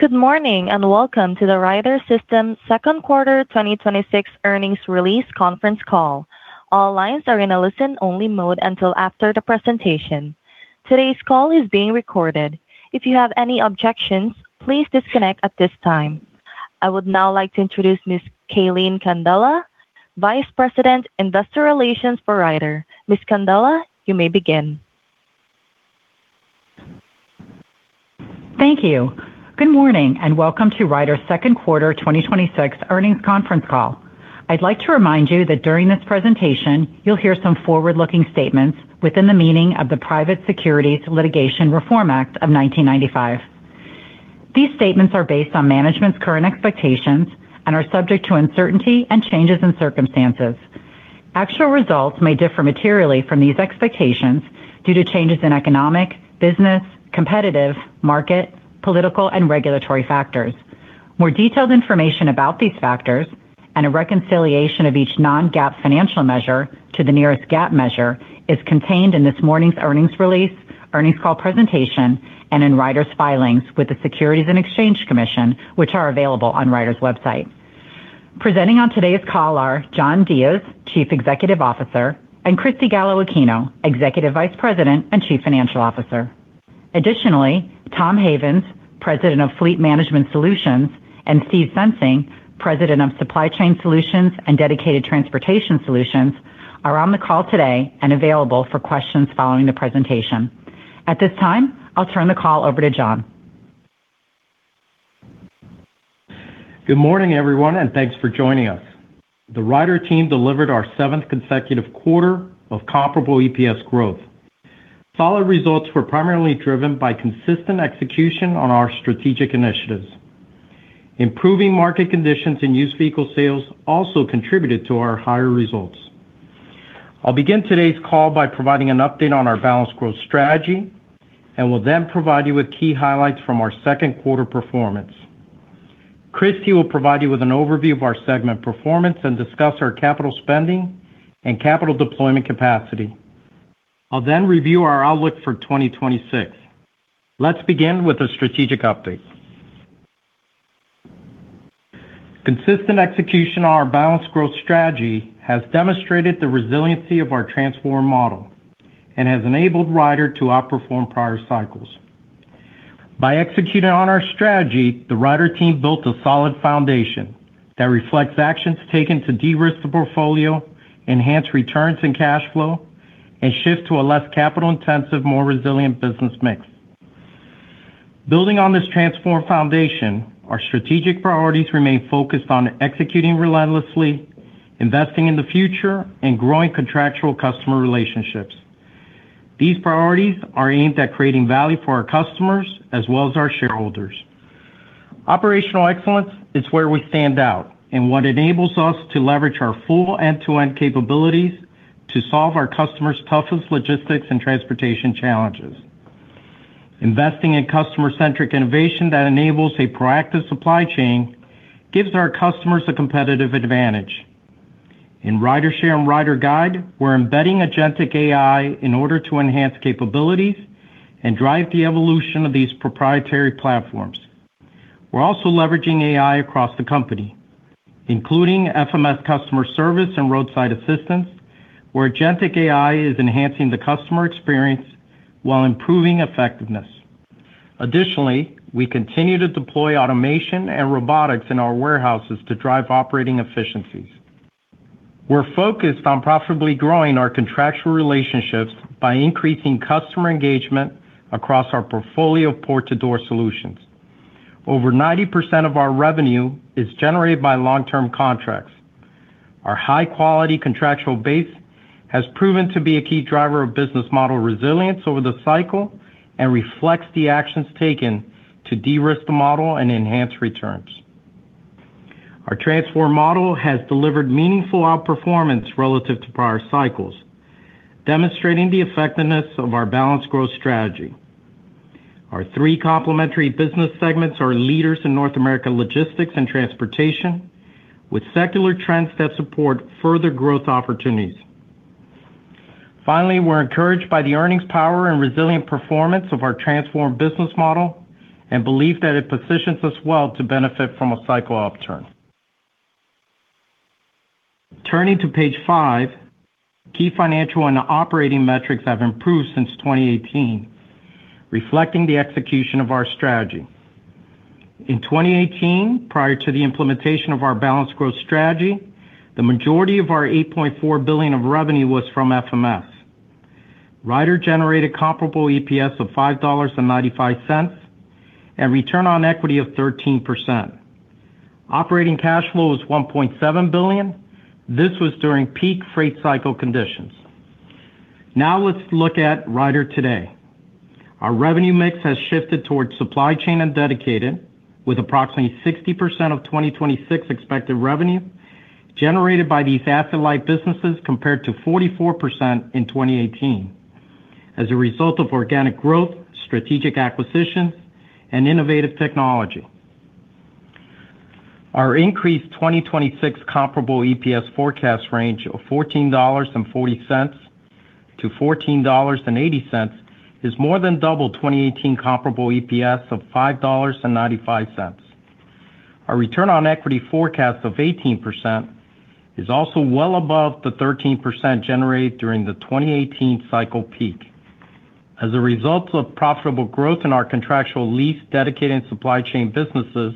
Good morning, welcome to the Ryder System second quarter 2026 earnings release conference call. All lines are in a listen-only mode until after the presentation. Today's call is being recorded. If you have any objections, please disconnect at this time. I would now like to introduce Ms. Calene Candela, Vice President, Investor Relations for Ryder. Ms. Candela, you may begin. Thank you. Good morning, welcome to Ryder's second quarter 2026 earnings conference call. I'd like to remind you that during this presentation, you'll hear some forward-looking statements within the meaning of the Private Securities Litigation Reform Act of 1995. These statements are based on management's current expectations and are subject to uncertainty and changes in circumstances. Actual results may differ materially from these expectations due to changes in economic, business, competitive, market, political, and regulatory factors. More detailed information about these factors and a reconciliation of each non-GAAP financial measure to the nearest GAAP measure is contained in this morning's earnings release, earnings call presentation, and in Ryder's filings with the Securities and Exchange Commission, which are available on Ryder's website. Presenting on today's call are John Diez, Chief Executive Officer, and Cristy Gallo-Aquino, Executive Vice President and Chief Financial Officer. Additionally, Tom Havens, President of Fleet Management Solutions, and Steve Sensing, President of Supply Chain Solutions and Dedicated Transportation Solutions, are on the call today and available for questions following the presentation. At this time, I'll turn the call over to John. Good morning, everyone, thanks for joining us. The Ryder team delivered our seventh consecutive quarter of comparable EPS growth. Solid results were primarily driven by consistent execution on our strategic initiatives. Improving market conditions and used vehicle sales also contributed to our higher results. I'll begin today's call by providing an update on our balanced growth strategy, and will then provide you with key highlights from our second quarter performance. Cristy will provide you with an overview of our segment performance and discuss our capital spending and capital deployment capacity. I'll then review our outlook for 2026. Let's begin with a strategic update. Consistent execution on our balanced growth strategy has demonstrated the resiliency of our transformed model and has enabled Ryder to outperform prior cycles. By executing on our strategy, the Ryder team built a solid foundation that reflects actions taken to de-risk the portfolio, enhance returns and cash flow, and shift to a less capital-intensive, more resilient business mix. Building on this transformed foundation, our strategic priorities remain focused on executing relentlessly, investing in the future, and growing contractual customer relationships. These priorities are aimed at creating value for our customers as well as our shareholders. Operational excellence is where we stand out and what enables us to leverage our full end-to-end capabilities to solve our customers' toughest logistics and transportation challenges. Investing in customer-centric innovation that enables a proactive supply chain gives our customers a competitive advantage. In RyderShare and RyderGyde, we're embedding agentic AI in order to enhance capabilities and drive the evolution of these proprietary platforms. We're also leveraging AI across the company, including FMS customer service and roadside assistance, where agentic AI is enhancing the customer experience while improving effectiveness. Additionally, we continue to deploy automation and robotics in our warehouses to drive operating efficiencies. We're focused on profitably growing our contractual relationships by increasing customer engagement across our portfolio of port-to-door solutions. Over 90% of our revenue is generated by long-term contracts. Our high-quality contractual base has proven to be a key driver of business model resilience over the cycle and reflects the actions taken to de-risk the model and enhance returns. Our transformed model has delivered meaningful outperformance relative to prior cycles, demonstrating the effectiveness of our balanced growth strategy. Our three complementary business segments are leaders in North America logistics and transportation, with secular trends that support further growth opportunities. We're encouraged by the earnings power and resilient performance of our transformed business model and believe that it positions us well to benefit from a cycle upturn. Turning to page five, key financial and operating metrics have improved since 2018, reflecting the execution of our strategy. In 2018, prior to the implementation of our balanced growth strategy, the majority of our $8.4 billion of revenue was from FMS. Ryder generated comparable EPS of $5.95 and return on equity of 13%. Operating cash flow was $1.7 billion. This was during peak freight cycle conditions. Now let's look at Ryder today. Our revenue mix has shifted towards supply chain and dedicated, with approximately 60% of 2026 expected revenue generated by these asset-light businesses, compared to 44% in 2018, as a result of organic growth, strategic acquisitions, and innovative technology. Our increased 2026 comparable EPS forecast range of $14.40-$14.80 is more than double 2018 comparable EPS of $5.95. Our return on equity forecast of 18% is also well above the 13% generated during the 2018 cycle peak. As a result of profitable growth in our contractual lease dedicated supply chain businesses,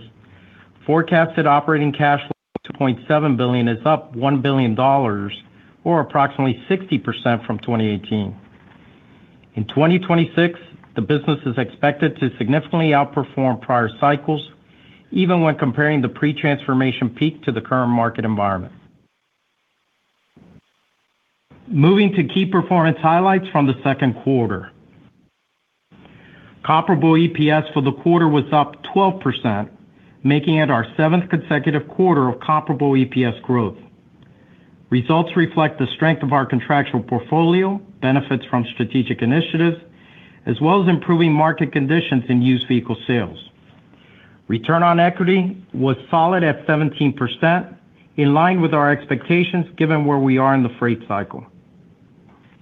forecasted operating cash flow to $2.7 billion is up $1 billion, or approximately 60% from 2018. In 2026, the business is expected to significantly outperform prior cycles, even when comparing the pre-transformation peak to the current market environment. Moving to key performance highlights from the second quarter. Comparable EPS for the quarter was up 12%, making it our seventh consecutive quarter of comparable EPS growth. Results reflect the strength of our contractual portfolio, benefits from strategic initiatives, as well as improving market conditions in used vehicle sales. Return on equity was solid at 17%, in line with our expectations, given where we are in the freight cycle.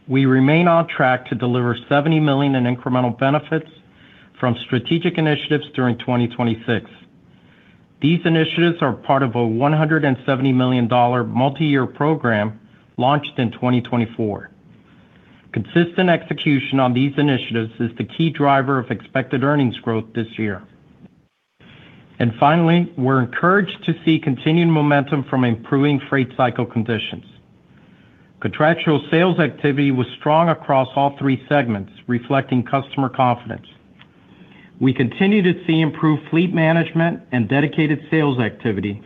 We remain on track to deliver $70 million in incremental benefits from strategic initiatives during 2026. These initiatives are part of a $170 million multi-year program launched in 2024. Consistent execution on these initiatives is the key driver of expected earnings growth this year. Finally, we're encouraged to see continued momentum from improving freight cycle conditions. Contractual sales activity was strong across all three segments, reflecting customer confidence. We continue to see improved fleet management and dedicated sales activity,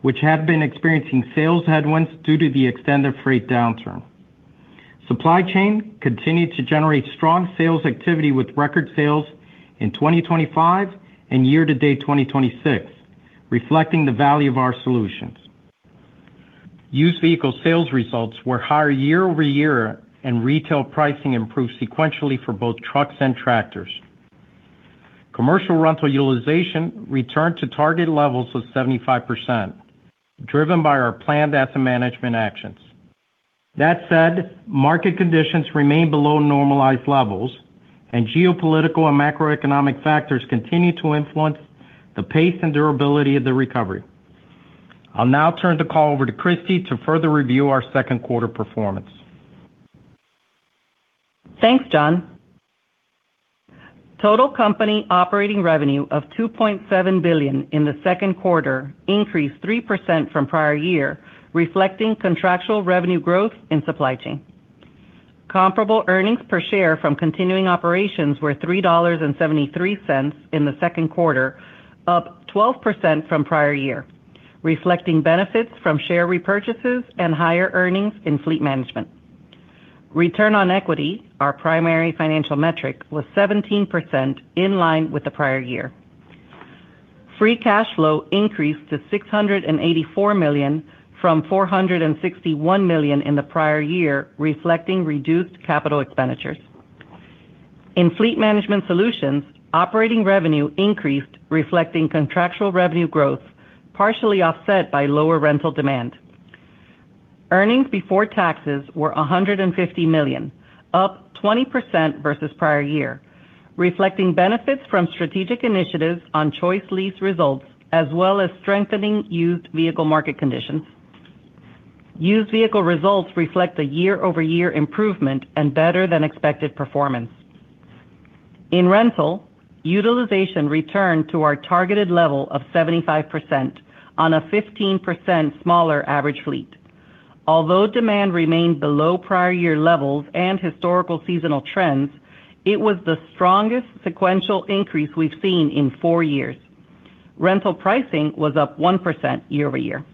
which had been experiencing sales headwinds due to the extended freight downturn. Supply Chain continued to generate strong sales activity with record sales in 2025 and year-to-date 2026, reflecting the value of our solutions. Used vehicle sales results were higher year-over-year, and retail pricing improved sequentially for both trucks and tractors. Commercial rental utilization returned to target levels of 75%, driven by our planned asset management actions. That said, market conditions remain below normalized levels, and geopolitical and macroeconomic factors continue to influence the pace and durability of the recovery. I'll now turn the call over to Cristy to further review our second quarter performance. Thanks, John. Total company operating revenue of $2.7 billion in the second quarter increased 3% from prior year, reflecting contractual revenue growth in Supply Chain. Comparable earnings per share from continuing operations were $3.73 in the second quarter, up 12% from prior year, reflecting benefits from share repurchases and higher earnings in Fleet Management. Return on equity, our primary financial metric, was 17%, in line with the prior year. Free cash flow increased to $684 million from $461 million in the prior year, reflecting reduced Capital Expenditures. In Fleet Management Solutions, operating revenue increased, reflecting contractual revenue growth, partially offset by lower rental demand. Earnings before taxes were $150 million, up 20% versus the prior year, reflecting benefits from strategic initiatives on ChoiceLease results, as well as strengthening used vehicle market conditions. Used vehicle results reflect a year-over-year improvement and better-than-expected performance. In rental, utilization returned to our targeted level of 75% on a 15% smaller average fleet. Although demand remained below prior year levels and historical seasonal trends, it was the strongest sequential increase we've seen in four years. Rental pricing was up 1% year-over-year.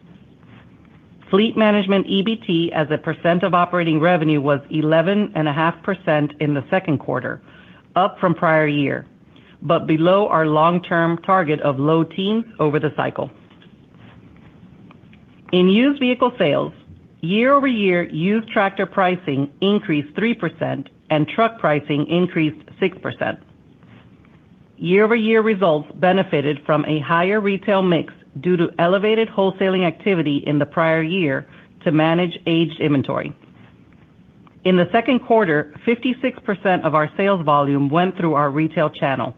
Fleet Management EBT as a percent of operating revenue was 11.5% in the second quarter, up from the prior year, but below our long-term target of low teens over the cycle. In used vehicle sales, year-over-year used tractor pricing increased 3%, and truck pricing increased 6%. Year-over-year results benefited from a higher retail mix due to elevated wholesaling activity in the prior year to manage aged inventory. In the second quarter, 56% of our sales volume went through our retail channel,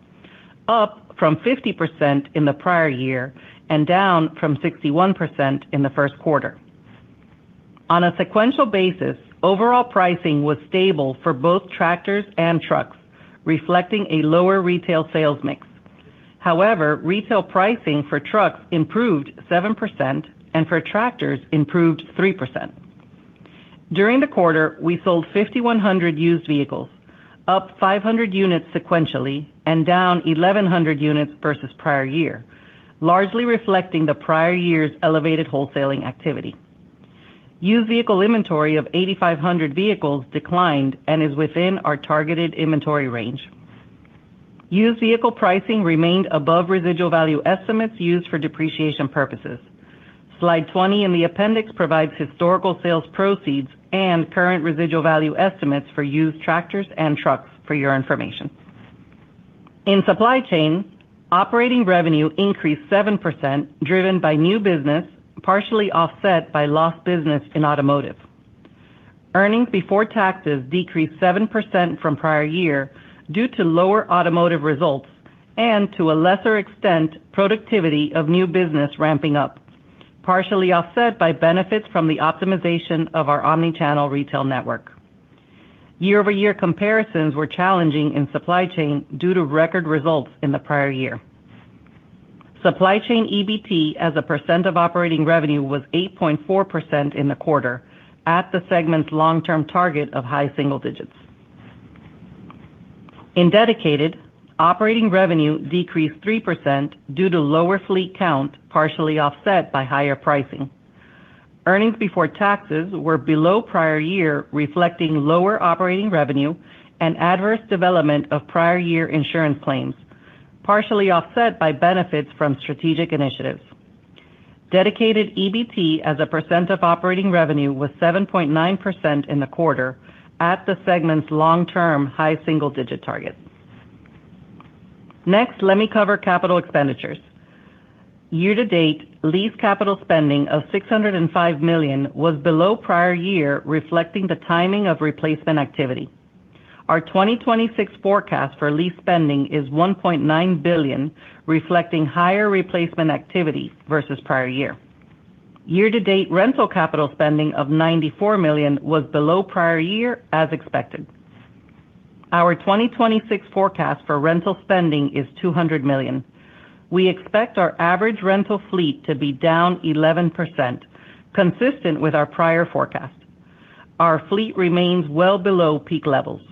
up from 50% in the prior year and down from 61% in the first quarter. On a sequential basis, overall pricing was stable for both tractors and trucks, reflecting a lower retail sales mix. However, retail pricing for trucks improved 7%, and for tractors improved 3%. During the quarter, we sold 5,100 used vehicles, up 500 units sequentially and down 1,100 units versus the prior year, largely reflecting the prior year's elevated wholesaling activity. Used vehicle inventory of 8,500 vehicles declined and is within our targeted inventory range. Used vehicle pricing remained above residual value estimates used for depreciation purposes. Slide 20 in the appendix provides historical sales proceeds and current residual value estimates for used tractors and trucks for your information. In Supply Chain, operating revenue increased 7%, driven by new business, partially offset by lost business in automotive. Earnings before taxes decreased 7% from prior year due to lower automotive results, and to a lesser extent, productivity of new business ramping up, partially offset by benefits from the optimization of our omni-channel retail network. Year-over-year comparisons were challenging in Supply Chain due to record results in the prior year. Supply Chain EBT as a percent of operating revenue was 8.4% in the quarter at the segment's long-term target of high single digits. In Dedicated, operating revenue decreased 3% due to lower fleet count, partially offset by higher pricing. Earnings before taxes were below prior year, reflecting lower operating revenue and adverse development of prior year insurance claims, partially offset by benefits from strategic initiatives. Dedicated EBT as a percent of operating revenue was 7.9% in the quarter at the segment's long-term high single-digit target. Next, let me cover Capital expenditures. Year-to-date, lease Capital spending of $605 million was below prior year, reflecting the timing of replacement activity. Our 2026 forecast for lease spending is $1.9 billion, reflecting higher replacement activity versus prior year. Year-to-date rental Capital spending of $94 million was below prior year as expected. Our 2026 focus for rental spending is $200 million. We expect our average rental fleet to be down 11%, consistent with our prior forecast. Our fleet remains well below peak levels.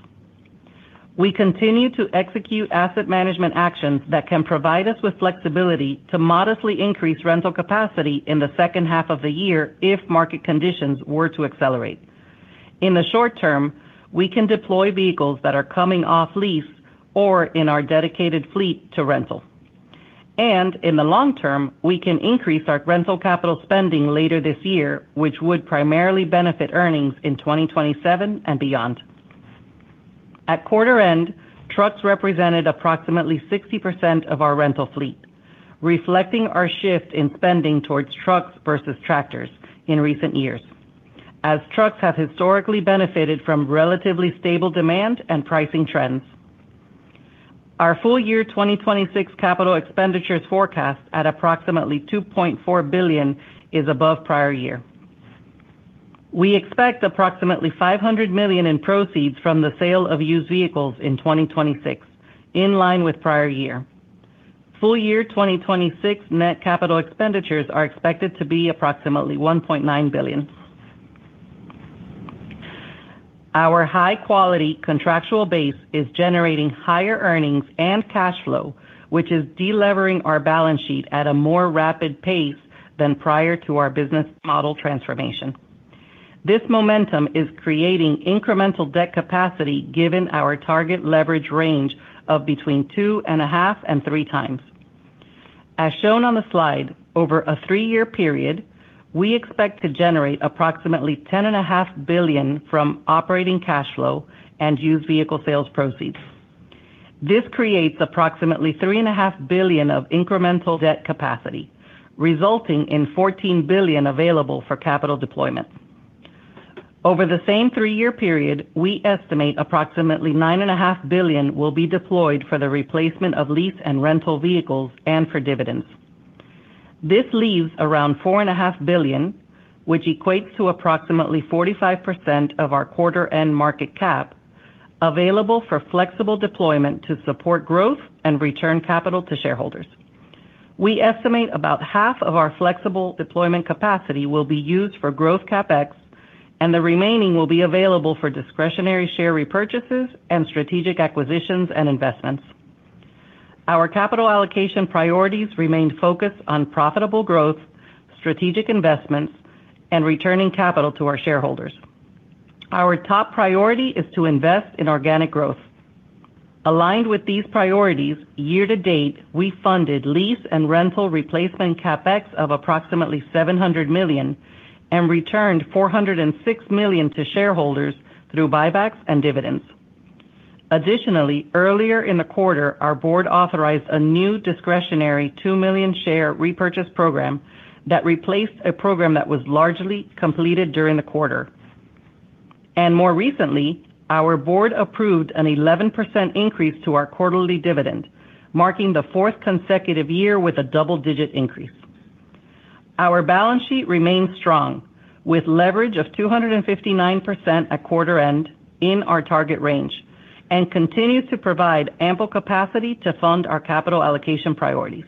We continue to execute asset management actions that can provide us with flexibility to modestly increase rental capacity in the second half of the year if market conditions were to accelerate. In the short term, we can deploy vehicles that are coming off lease or in our Dedicated fleet to rental. In the long term, we can increase our rental Capital spending later this year, which would primarily benefit earnings in 2027 and beyond. At quarter end, trucks represented approximately 60% of our rental fleet, reflecting our shift in spending towards trucks versus tractors in recent years, as trucks have historically benefited from relatively stable demand and pricing trends. Our full year 2026 Capital expenditures forecast at approximately $2.4 billion is above prior year. We expect approximately $500 million in proceeds from the sale of used vehicles in 2026, in line with prior year. Full year 2026 net Capital expenditures are expected to be approximately $1.9 billion. Our high-quality contractual base is generating higher earnings and cash flow, which is de-levering our balance sheet at a more rapid pace than prior to our business model transformation. This momentum is creating incremental debt capacity given our target leverage range of between two and a half and three times. As shown on the slide, over a three-year period, we expect to generate approximately $10.5 billion from operating cash flow and used vehicle sales proceeds. This creates approximately $3.5 billion of incremental debt capacity, resulting in $14 billion available for capital deployment. Over the same three-year period, we estimate approximately $9.5 billion will be deployed for the replacement of lease and rental vehicles and for dividends. This leaves around $4.5 billion, which equates to approximately 45% of our quarter-end market cap, available for flexible deployment to support growth and return capital to shareholders. We estimate about half of our flexible deployment capacity will be used for growth CapEx, the remaining will be available for discretionary share repurchases and strategic acquisitions and investments. Our capital allocation priorities remain focused on profitable growth, strategic investments, and returning capital to our shareholders. Our top priority is to invest in organic growth. Aligned with these priorities, year-to-date, we funded lease and rental replacement CapEx of approximately $700 million and returned $406 million to shareholders through buybacks and dividends. Additionally, earlier in the quarter, our board authorized a new discretionary 2 million share repurchase program that replaced a program that was largely completed during the quarter. More recently, our board approved an 11% increase to our quarterly dividend, marking the fourth consecutive year with a double-digit increase. Our balance sheet remains strong, with leverage of 259% at quarter end in our target range, continues to provide ample capacity to fund our capital allocation priorities.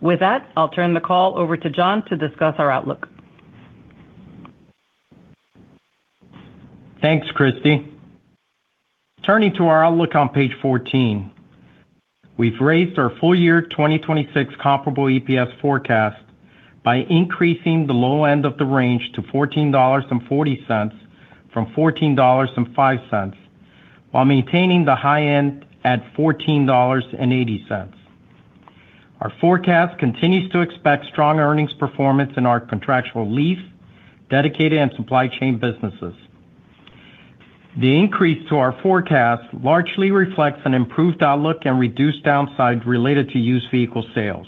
With that, I'll turn the call over to John to discuss our outlook. Thanks, Cristy. Turning to our outlook on page 14, we've raised our full year 2026 comparable EPS forecast by increasing the low end of the range to $14.40 from $14.05, while maintaining the high end at $14.80. Our forecast continues to expect strong earnings performance in our contractual lease, Dedicated, and Supply Chain businesses. The increase to our forecast largely reflects an improved outlook and reduced downside related to used vehicle sales,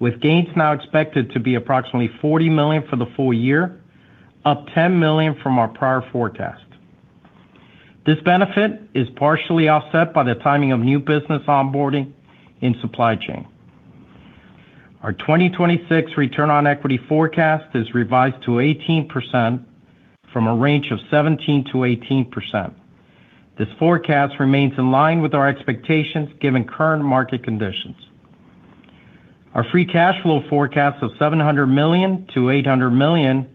with gains now expected to be approximately $40 million for the full year, up $10 million from our prior forecast. This benefit is partially offset by the timing of new business onboarding in Supply Chain. Our 2026 return on equity forecast is revised to 18% from a range of 17%-18%. This forecast remains in line with our expectations given current market conditions. Our free cash flow forecast of $700 million-$800 million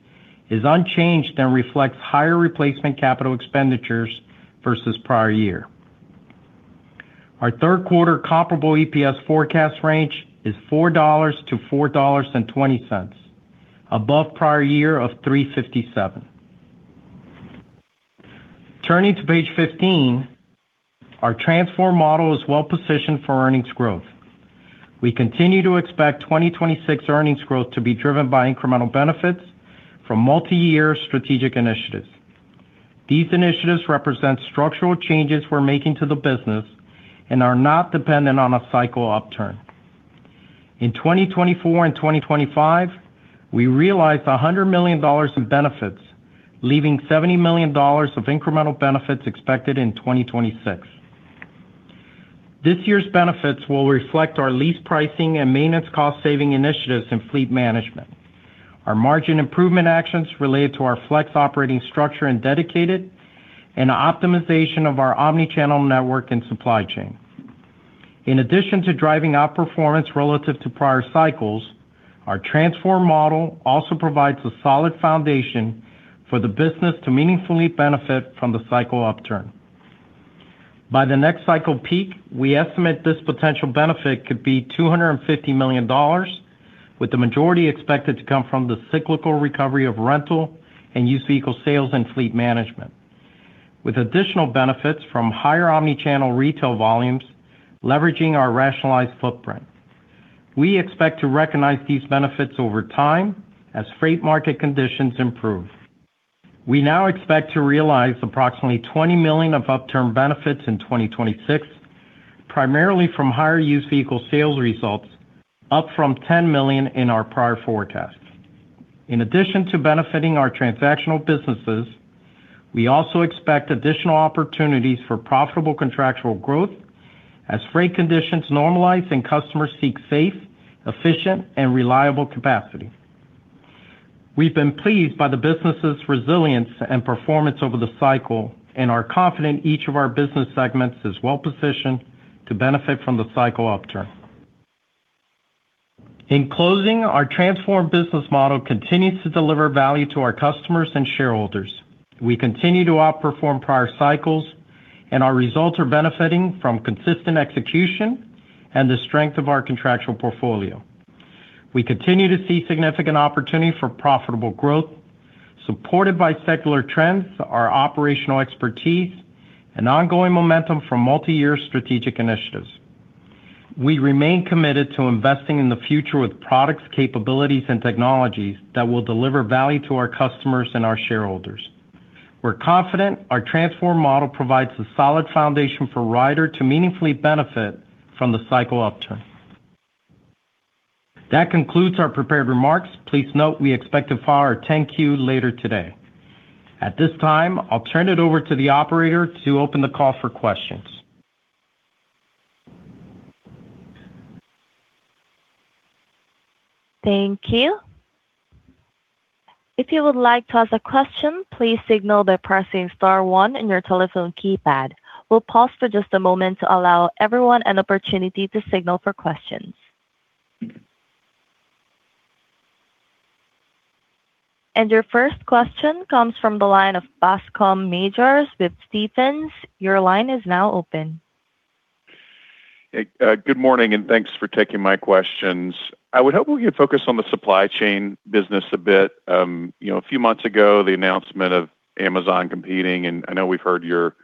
is unchanged and reflects higher replacement Capital Expenditures versus prior year. Our third quarter comparable EPS forecast range is $4-$4.20, above prior year of $3.57. Turning to page 15, our transformed model is well-positioned for earnings growth. We continue to expect 2026 earnings growth to be driven by incremental benefits from multi-year strategic initiatives. These initiatives represent structural changes we're making to the business and are not dependent on a cycle upturn. In 2024 and 2025, we realized $100 million in benefits, leaving $70 million of incremental benefits expected in 2026. This year's benefits will reflect our lease pricing and maintenance cost-saving initiatives in fleet management, our margin improvement actions related to our flex operating structure and dedicated, and optimization of our omnichannel network and supply chain. In addition to driving outperformance relative to prior cycles, our transformed model also provides a solid foundation for the business to meaningfully benefit from the cycle upturn. By the next cycle peak, we estimate this potential benefit could be $250 million, with the majority expected to come from the cyclical recovery of rental and used vehicle sales and fleet management, with additional benefits from higher omnichannel retail volumes leveraging our rationalized footprint. We expect to recognize these benefits over time as freight market conditions improve. We now expect to realize approximately $20 million of upturn benefits in 2026, primarily from higher used vehicle sales results, up from $10 million in our prior forecast. In addition to benefiting our transactional businesses, we also expect additional opportunities for profitable contractual growth as freight conditions normalize and customers seek safe, efficient, and reliable capacity. We've been pleased by the business's resilience and performance over the cycle and are confident each of our business segments is well-positioned to benefit from the cycle upturn. In closing, our transformed business model continues to deliver value to our customers and shareholders. We continue to outperform prior cycles, and our results are benefiting from consistent execution and the strength of our contractual portfolio. We continue to see significant opportunity for profitable growth, supported by secular trends, our operational expertise, and ongoing momentum from multi-year strategic initiatives. We remain committed to investing in the future with products, capabilities, and technologies that will deliver value to our customers and our shareholders. We're confident our transformed model provides a solid foundation for Ryder to meaningfully benefit from the cycle upturn. That concludes our prepared remarks. Please note we expect to file our 10-Q later today. At this time, I'll turn it over to the operator to open the call for questions. Thank you. If you would like to ask a question, please signal by pressing star one on your telephone keypad. We'll pause for just a moment to allow everyone an opportunity to signal for questions. Your first question comes from the line of Bascome Majors with Stephens. Your line is now open. Good morning. Thanks for taking my questions. I would hope we could focus on the Supply Chain business a bit. A few months ago, the announcement of Amazon competing, I know we've heard your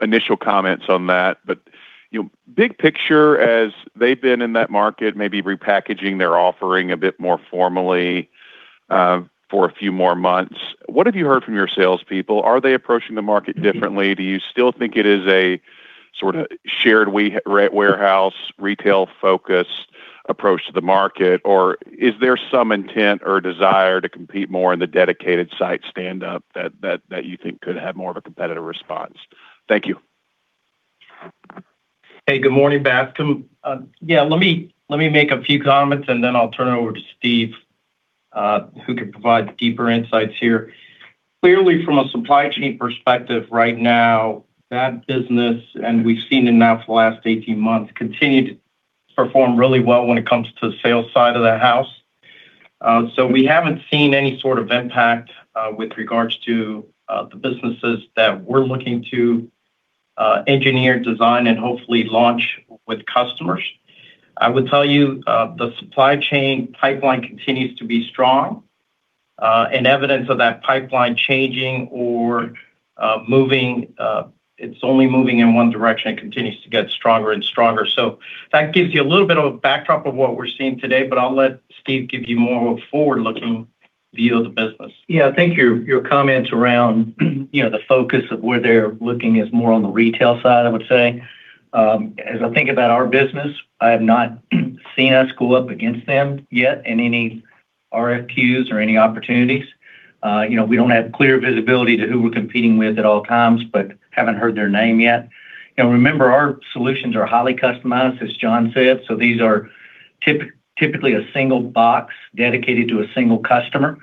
initial comments on that. Big picture, as they've been in that market, maybe repackaging their offering a bit more formally for a few more months, what have you heard from your salespeople? Are they approaching the market differently? Do you still think it is a sort of shared warehouse, retail-focused approach to the market? Or is there some intent or desire to compete more in the dedicated site standup that you think could have more of a competitive response? Thank you. Good morning, Bascome. Let me make a few comments, then I'll turn it over to Steve, who can provide deeper insights here. Clearly, from a Supply Chain perspective right now, that business, we've seen enough for the last 18 months, continue to perform really well when it comes to the sales side of the house. We haven't seen any sort of impact with regards to the businesses that we're looking to engineer, design, and hopefully launch with customers. I would tell you the Supply Chain pipeline continues to be strong. Evidence of that pipeline changing or it's only moving in one direction and continues to get stronger and stronger. That gives you a little bit of a backdrop of what we're seeing today, I'll let Steve give you more of a forward-looking view of the business. I think your comments around the focus of where they're looking is more on the retail side, I would say. As I think about our business, I haven't seen us go up against them yet in any RFQs or any opportunities. We don't have clear visibility to who we're competing with at all times, but haven't heard their name yet. Remember, our solutions are highly customized, as John said, these are typically a single box dedicated to a single customer.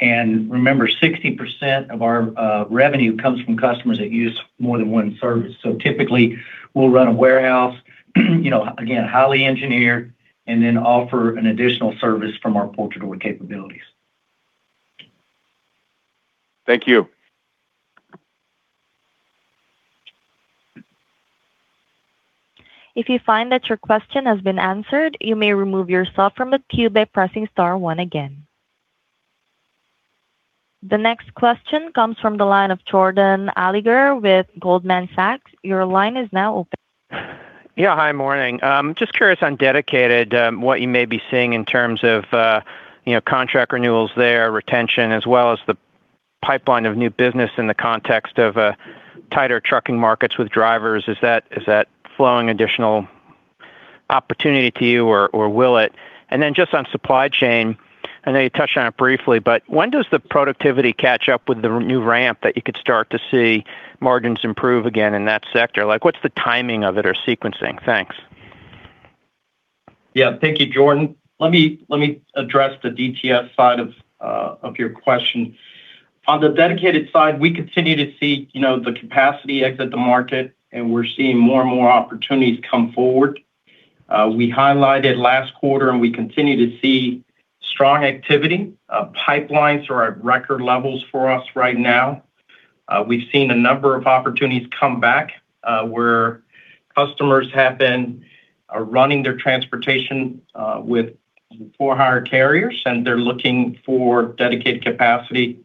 Remember, 60% of our revenue comes from customers that use more than one service. Typically, we'll run a warehouse, again, highly engineered, then offer an additional service from our portfolio capabilities. Thank you. If you find that your question has been answered, you may remove yourself from the queue by pressing star one again. The next question comes from the line of Jordan Alliger with Goldman Sachs. Your line is now open. Yeah. Hi. Morning. Just curious on Dedicated, what you may be seeing in terms of contract renewals there, retention, as well as the pipeline of new business in the context of tighter trucking markets with drivers. Is that flowing additional opportunity to you or will it? Just on Supply Chain, I know you touched on it briefly, but when does the productivity catch up with the new ramp that you could start to see margins improve again in that sector? What's the timing of it or sequencing? Thanks. Yeah. Thank you, Jordan. Let me address the DTS side of your question. On the Dedicated side, we continue to see the capacity exit the market, and we're seeing more and more opportunities come forward. We highlighted last quarter and we continue to see strong activity. Pipelines are at record levels for us right now. We've seen a number of opportunities come back, where customers have been running their transportation with for-hire carriers, and they're looking for Dedicated capacity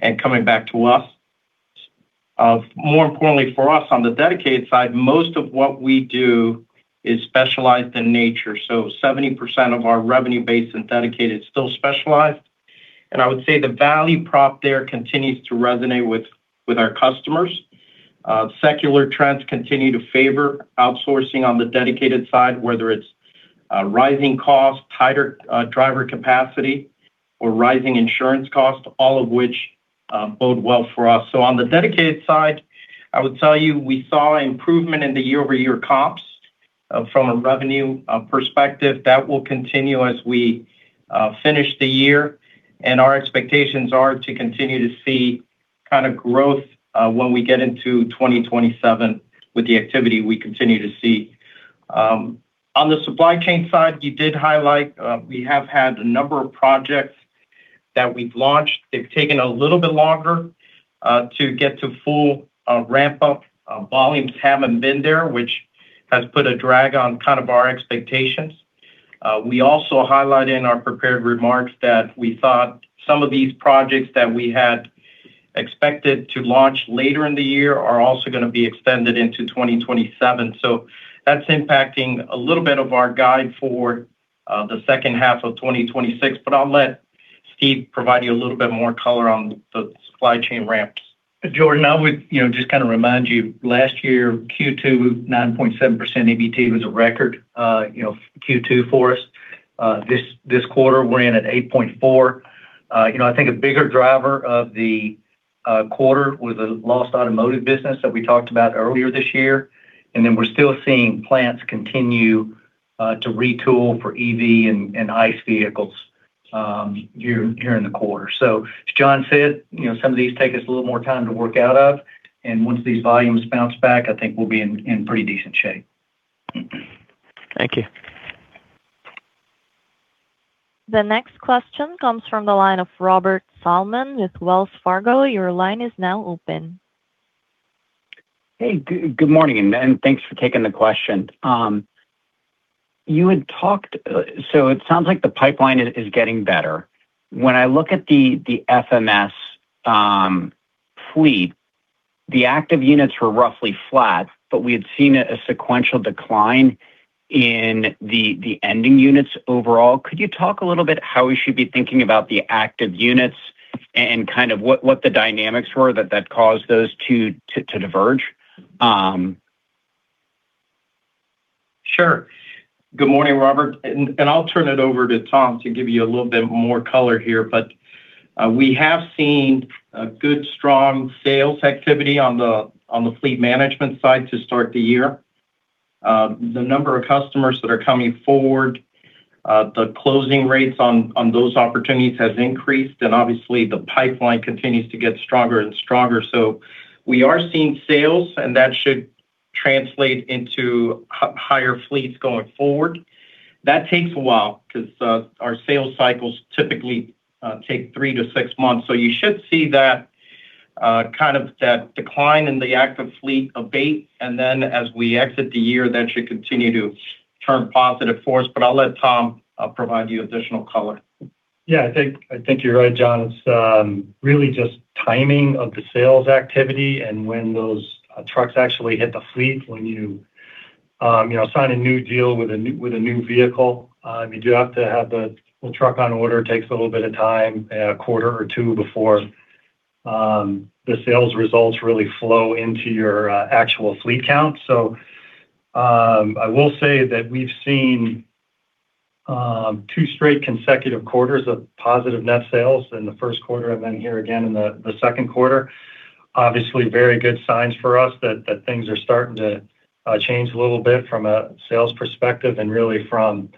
and coming back to us. More importantly, for us on the Dedicated side, most of what we do is specialized in nature. 70% of our revenue base in Dedicated is still specialized. I would say the value prop there continues to resonate with our customers. Secular trends continue to favor outsourcing on the dedicated side, whether it's rising costs, tighter driver capacity, or rising insurance costs, all of which bode well for us. On the dedicated side, I would tell you, we saw improvement in the year-over-year comps from a revenue perspective. That will continue as we finish the year, and our expectations are to continue to see growth when we get into 2027 with the activity we continue to see. On the supply chain side, you did highlight, we have had a number of projects that we've launched. They've taken a little bit longer to get to full ramp-up. Volumes haven't been there, which has put a drag on our expectations. We also highlight in our prepared remarks that we thought some of these projects that we had expected to launch later in the year are also going to be extended into 2027. That's impacting a little bit of our guide for the H2 of 2026. I'll let Steve provide you a little bit more color on the supply chain ramps. Jordan, I would just remind you, last year, Q2, 9.7% EBT was a record Q2 for us. This quarter, we're in at 8.4%. I think a bigger driver of the quarter was a lost automotive business that we talked about earlier this year. We're still seeing plants continue to retool for EV and ICE vehicles here in the quarter. As John said, some of these take us a little more time to work out of, and once these volumes bounce back, I think we'll be in pretty decent shape. Thank you. The next question comes from the line of Robert Salmon with Wells Fargo. Your line is now open. Hey, good morning, and thanks for taking the question. It sounds like the pipeline is getting better. When I look at the FMS fleet, the active units were roughly flat, but we had seen a sequential decline in the ending units overall. Could you talk a little bit how we should be thinking about the active units and what the dynamics were that caused those two to diverge? Sure. Good morning, Robert. I'll turn it over to Tom to give you a little bit more color here. We have seen a good, strong sales activity on the fleet management side to start the year. The number of customers that are coming forward, the closing rates on those opportunities has increased, and obviously, the pipeline continues to get stronger and stronger. We are seeing sales, and that should translate into higher fleets going forward. That takes a while because our sales cycles typically take three to six months. You should see that Kind of that decline in the active fleet abate, and then as we exit the year, that should continue to turn positive for us. I'll let Tom provide you additional color. Yeah, I think you're right, John. It's really just timing of the sales activity and when those trucks actually hit the fleet. When you sign a new deal with a new vehicle, you do have to have the truck on order. It takes a little bit of time, a quarter or two, before the sales results really flow into your actual fleet count. I will say that we've seen two straight consecutive quarters of positive net sales in the first quarter and then here again in the second quarter. Obviously, very good signs for us that things are starting to change a little bit from a sales perspective and really from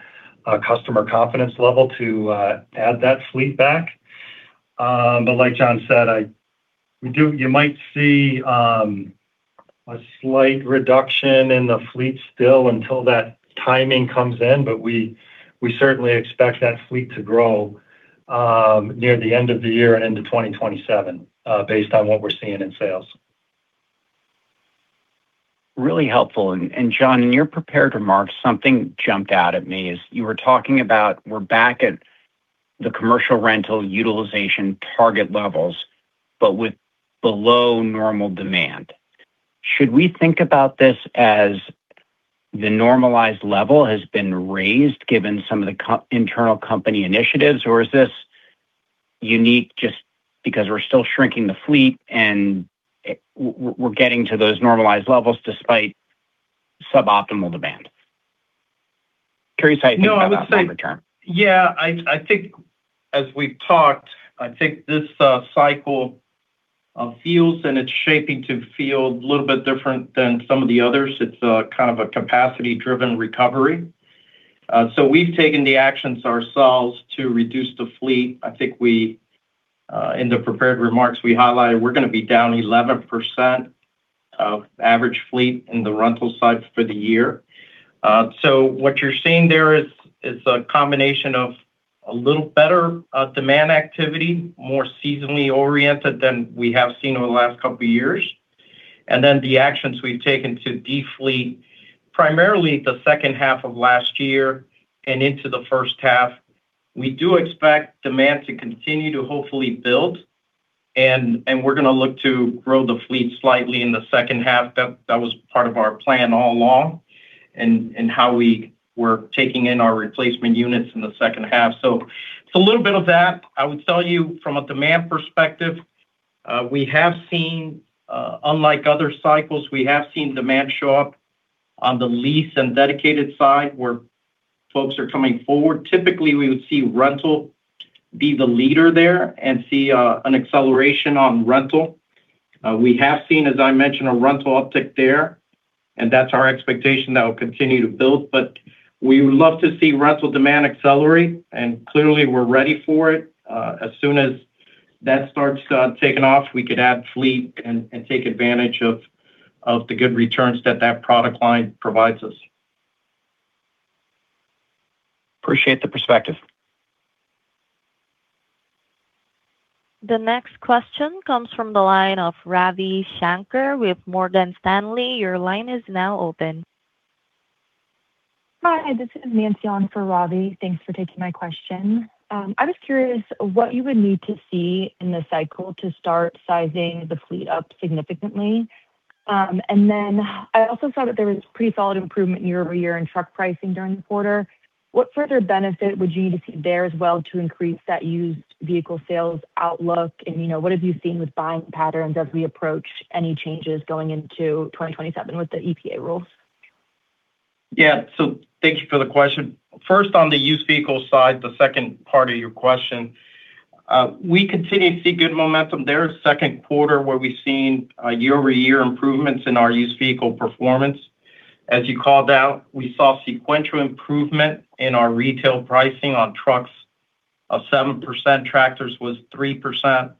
a customer confidence level to add that fleet back. Like John said, you might see a slight reduction in the fleet still until that timing comes in. We certainly expect that fleet to grow near the end of the year and into 2027, based on what we're seeing in sales. Really helpful. John, in your prepared remarks, something jumped out at me as you were talking about we're back at the commercial rental utilization target levels, but with below normal demand. Should we think about this as the normalized level has been raised given some of the internal company initiatives, or is this unique just because we're still shrinking the fleet and we're getting to those normalized levels despite suboptimal demand? Curious how you think about that return. As we've talked, I think this cycle feels, and it's shaping to feel a little bit different than some of the others. It's kind of a capacity-driven recovery. We've taken the actions ourselves to reduce the fleet. I think in the prepared remarks, we highlighted we're going to be down 11% of average fleet in the rental side for the year. What you're seeing there is a combination of a little better demand activity, more seasonally oriented than we have seen over the last couple of years. The actions we've taken to defleet, primarily the H2 of last year and into the H1. We do expect demand to continue to hopefully build, and we're going to look to grow the fleet slightly in the H2. That was part of our plan all along and how we were taking in our replacement units in the H2. It's a little bit of that. I would tell you from a demand perspective, unlike other cycles, we have seen demand show up on the lease and dedicated side where folks are coming forward. Typically, we would see rental be the leader there and see an acceleration on rental. We have seen, as I mentioned, a rental uptick there, and that's our expectation that will continue to build. We would love to see rental demand accelerate, and clearly, we're ready for it. As soon as that starts taking off, we could add fleet and take advantage of the good returns that that product line provides us. Appreciate the perspective. The next question comes from the line of Ravi Shanker with Morgan Stanley. Your line is now open. Hi, this is Nancy on for Ravi. Thanks for taking my question. I was curious what you would need to see in the cycle to start sizing the fleet up significantly. I also saw that there was pretty solid improvement year-over-year in truck pricing during the quarter. What further benefit would you need to see there as well to increase that used vehicle sales outlook? What have you seen with buying patterns as we approach any changes going into 2027 with the EPA rules? Thank you for the question. First, on the used vehicle side, the second part of your question. We continue to see good momentum there second quarter where we've seen year-over-year improvements in our used vehicle performance. As you called out, we saw sequential improvement in our retail pricing on trucks of 7%, tractors was 3%.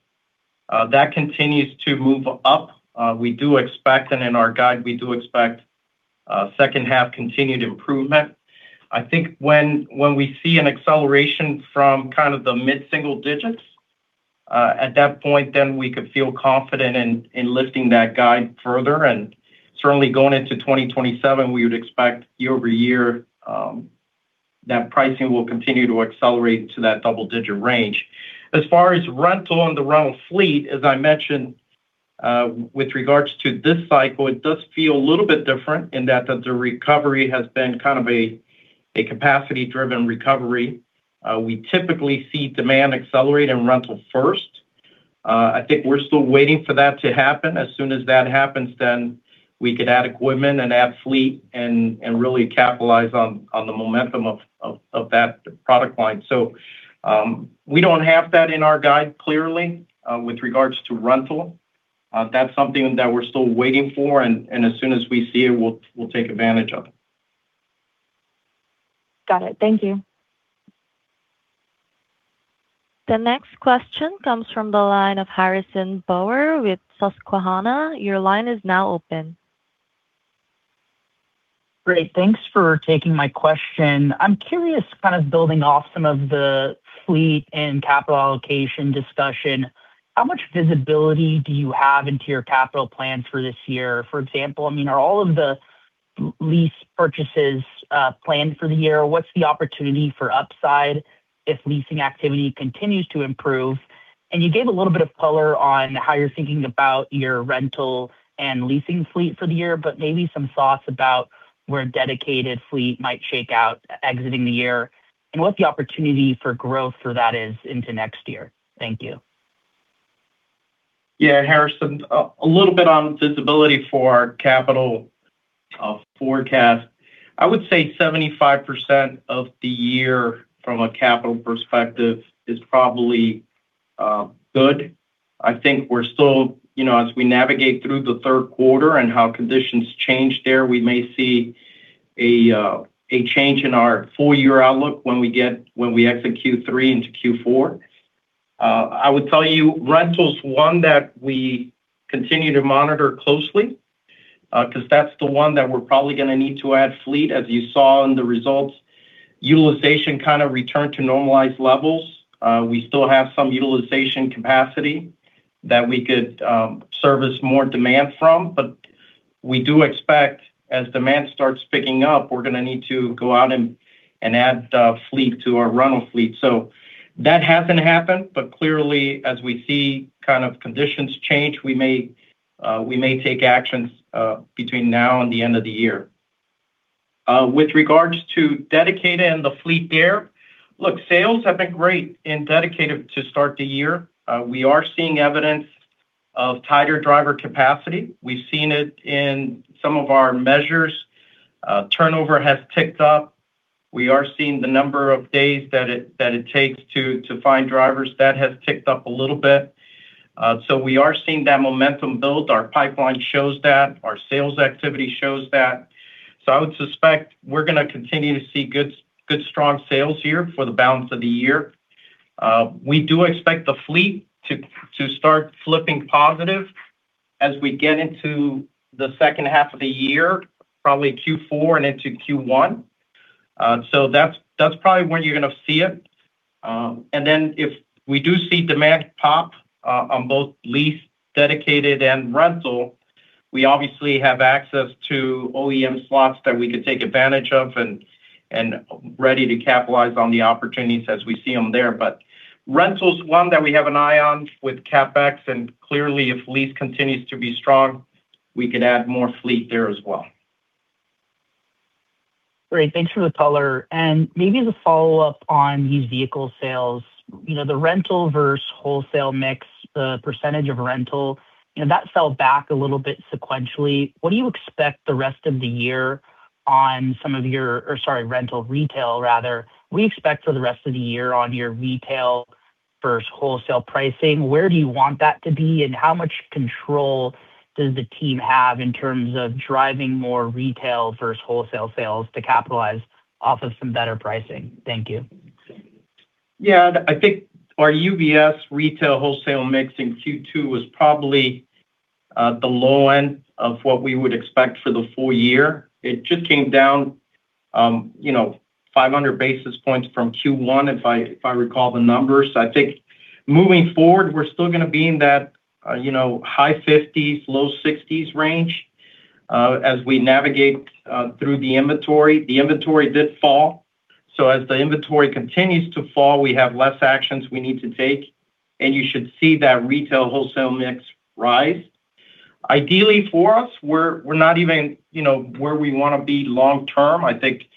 That continues to move up. We do expect, and in our guide, we do expect second half continued improvement. I think when we see an acceleration from kind of the mid-single digits, at that point, then we could feel confident in lifting that guide further. Certainly going into 2027, we would expect year-over-year that pricing will continue to accelerate to that double-digit range. As far as rental and the rental fleet, as I mentioned with regards to this cycle, it does feel a little bit different in that the recovery has been kind of a capacity-driven recovery. We typically see demand accelerate in rental first. I think we're still waiting for that to happen. As soon as that happens, we could add equipment and add fleet and really capitalize on the momentum of that product line. We don't have that in our guide, clearly, with regards to rental. That's something that we're still waiting for, and as soon as we see it, we'll take advantage of it. Got it. Thank you. The next question comes from the line of Harrison Bauer with Susquehanna. Your line is now open. Great. Thanks for taking my question. I'm curious, building off some of the fleet and capital allocation discussion, how much visibility do you have into your capital plans for this year? For example, are all of the lease purchases planned for the year? What's the opportunity for upside if leasing activity continues to improve? You gave a little bit of color on how you're thinking about your rental and leasing fleet for the year, but maybe some thoughts about where dedicated fleet might shake out exiting the year, and what the opportunity for growth for that is into next year. Thank you. Harrison. A little bit on visibility for our capital forecast. I would say 75% of the year from a capital perspective is probably good. I think we're still, as we navigate through the third quarter and how conditions change there, we may see a change in our full-year outlook when we exit Q3 into Q4. I would tell you, rental's one that we continue to monitor closely, because that's the one that we're probably going to need to add fleet. As you saw in the results, utilization kind of returned to normalized levels. We still have some utilization capacity that we could service more demand from, but we do expect, as demand starts picking up, we're going to need to go out and add fleet to our rental fleet. That hasn't happened, but clearly, as we see conditions change, we may take actions between now and the end of the year. With regards to Dedicated and the fleet there, look, sales have been great in Dedicated to start the year. We are seeing evidence of tighter driver capacity. We've seen it in some of our measures. Turnover has ticked up. We are seeing the number of days that it takes to find drivers, that has ticked up a little bit. We are seeing that momentum build. Our pipeline shows that. Our sales activity shows that. I would suspect we're going to continue to see good strong sales here for the balance of the year. We do expect the fleet to start flipping positive as we get into the H2 of the year, probably Q4 and into Q1. That's probably when you're going to see it. If we do see demand pop on both lease, Dedicated, and rental, we obviously have access to OEM slots that we could take advantage of, and ready to capitalize on the opportunities as we see them there. Rental's one that we have an eye on with CapEx, and clearly if lease continues to be strong, we could add more fleet there as well. Great. Thanks for the color. Maybe as a follow-up on used vehicle sales, the rental versus wholesale mix, the percentage of rental, that fell back a little bit sequentially. What do you expect the rest of the year on some of your Sorry, rental retail rather. What do you expect for the rest of the year on your retail versus wholesale pricing? Where do you want that to be, and how much control does the team have in terms of driving more retail versus wholesale sales to capitalize off of some better pricing? Thank you. Yeah, I think our UVS retail wholesale mix in Q2 was probably the low end of what we would expect for the full year. It just came down 500 basis points from Q1, if I recall the numbers. I think moving forward, we're still going to be in that high 50s, low 60s range as we navigate through the inventory. The inventory did fall. As the inventory continues to fall, we have less actions we need to take, and you should see that retail wholesale mix rise. Ideally for us, we're not even where we want to be long-term. I think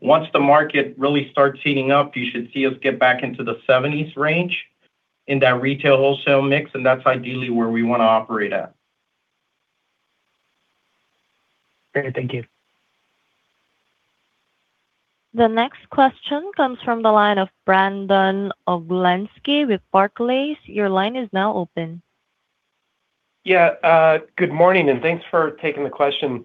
once the market really starts heating up, you should see us get back into the 70s range in that retail wholesale mix, and that's ideally where we want to operate at. Great. Thank you. The next question comes from the line of Brandon Oglenski with Barclays. Your line is now open. Yeah. Good morning, thanks for taking the question.